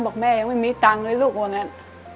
บอกแม่ยังไม่มีตังค์เลยลูกว่างั้น